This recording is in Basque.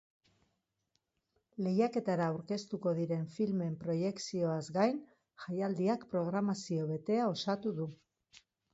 Lehiaketara aurkeztuko diren filmen proiekzioaz gain, jaialdiak programazio betea osatu du.